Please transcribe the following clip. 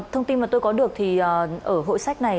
thông tin mà tôi có được thì ở hội sách này